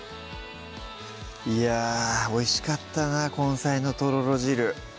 いやおいしかったな「根菜のとろろ汁」